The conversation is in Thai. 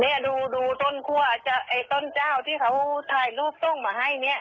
เนี่ยดูต้นคั่วไอ้ต้นเจ้าที่เขาถ่ายรูปทรงมาให้เนี่ย